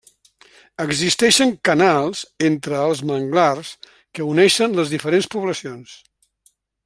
Existeixen canals entre els manglars, que uneixen les diferents poblacions.